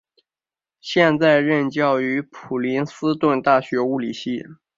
现在任教于普林斯顿大学物理系。